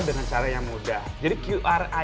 dengan cara yang mudah jadi qri